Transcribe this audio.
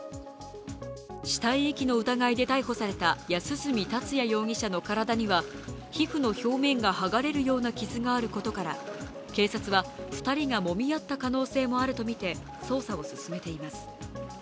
死体遺棄の疑いで逮捕された安栖達也容疑者の体には皮膚の表面が剥がれるような傷があることから警察は２人がもみ合った可能性もあるとみて捜査を進めています。